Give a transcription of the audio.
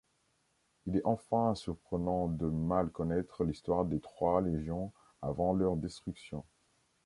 Il est enfin surprenant de mal connaître l'histoire des trois légions avant leur destruction.